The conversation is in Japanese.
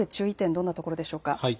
どんなところでしょうか。